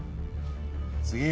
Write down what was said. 次。